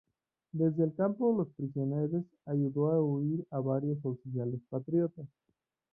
Desde el campo de prisioneros ayudó a huir a varios oficiales patriotas.